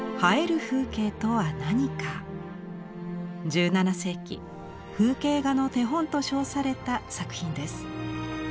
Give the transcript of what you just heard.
１７世紀「風景画の手本」と称された作品です。